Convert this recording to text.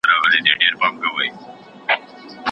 اوس دي په غزل کي شرنګ د هري مسرۍ څه وايي.